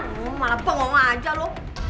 lo malah bengong aja lo